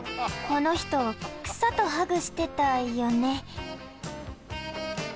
このひと草とハグしてたよね。